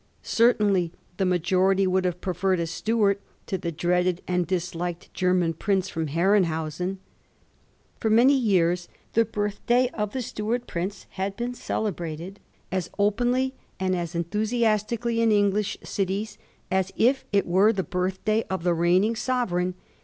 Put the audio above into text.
Certainly the majority would have preferred a Stuart to the dreaded and disliked Grerman prince from Herrenhausen. For many years the birthday of the Stuart prince had been celebrated as openly and as enthusiastically in Eng lish cities as if it were the birthday of the reigning sovereign.